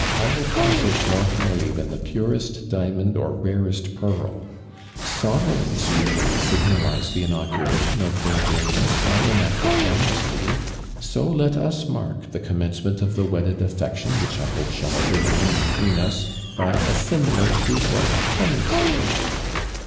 I will prize it more highly than the purest di jmond or rarest pearl I Sovereigns usu ally signalize tlie inauguration of their reigns by an act of amnesty, so let us mark the commencement of the wedded affection which I hope shall ever reign between u», by a similar proof of cleuiency."